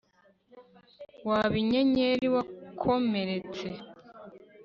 Waba inyenyeri wakomeretse